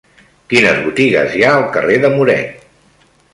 Quines botigues hi ha al carrer de Muret?